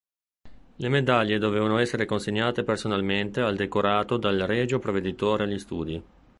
Le medaglie dovevano essere consegnate personalmente al decorato dal regio provveditore agli studi.